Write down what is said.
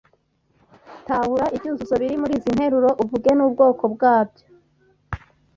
tahura ibyuzuzo biri muri izi nteruro, uvuge n'ubwoko bwabyo